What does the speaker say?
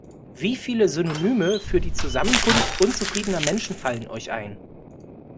Wie viele Synonyme für die Zusammenkunft unzufriedener Menschen fallen euch ein?